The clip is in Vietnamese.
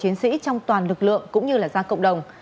các đơn vị chiến sĩ trong toàn lực lượng cũng như ra cộng đồng